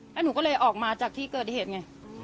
แล้วหนูก็เลยออกมาจากที่เกิดเหตุไง